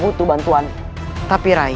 bantu bantuannya tapi rai